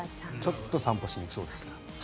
ちょっと散歩しにくそうですが。